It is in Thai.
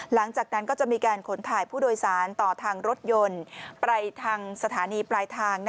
หลังจากนั้นก็จะมีการขนถ่ายผู้โดยสารต่อทางรถยนต์ไปทางสถานีปลายทาง